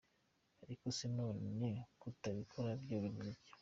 Ariko se none kutabikora byo bivuze iki?”.